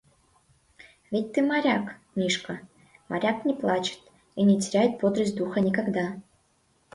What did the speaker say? Ведь ты моряк, Мишка... моряк не плачет... и не теряет бодрость духа никогда.